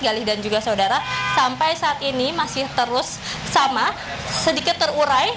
galih dan juga saudara sampai saat ini masih terus sama sedikit terurai